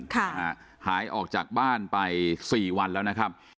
หายออกจากบ้านไปสี่วันแล้วนะครับ